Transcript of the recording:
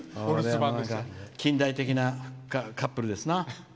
近代的なカップルですな。